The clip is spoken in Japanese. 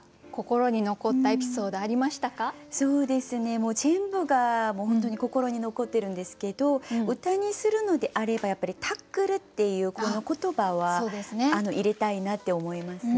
もう全部が本当に心に残ってるんですけど歌にするのであればやっぱり「タックル」っていうこの言葉は入れたいなって思いますね。